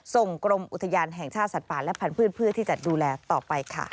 กรมอุทยานแห่งชาติสัตว์ป่าและพันธุ์เพื่อที่จะดูแลต่อไปค่ะ